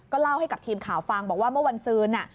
เล่าให้กับทีมข่าวฟังบอกว่าเมื่อวันซืน